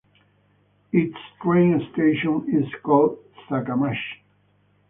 Its train station is called Sakamachi.